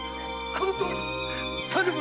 このとおり頼む！